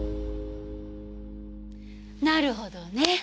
なるほどね。